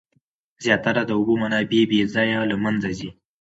زیاتره د اوبو منابع بې ځایه له منځه ځي.